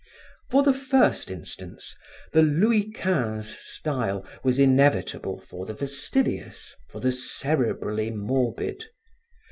For the first instance, the Louis XV style was inevitable for the fastidious, for the cerebrally morbid.